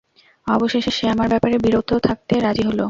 অবশেষে সে আমার ব্যাপারে বিরত থাকতে রাজি হল।